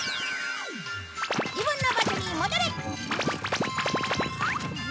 自分の場所に戻れ！